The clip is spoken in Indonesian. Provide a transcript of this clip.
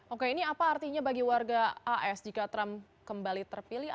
oke ini apa artinya bagi warga as jika trump kembali terpilih